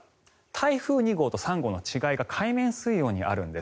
台風２号と３号の違いが海面水温にあるんです。